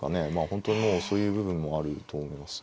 本当にもうそういう部分もあると思います。